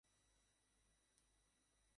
সে বড় এক গ্লাস শরবত বানাল।